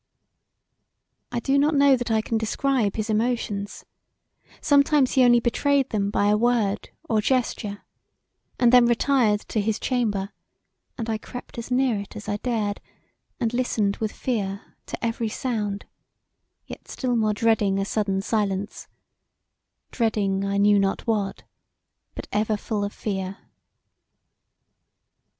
I do not know that I can describe his emotions: sometimes he only betrayed them by a word or gesture, and then retired to his chamber and I crept as near it as I dared and listened with fear to every sound, yet still more dreading a sudden silence dreading I knew not what, but ever full of fear.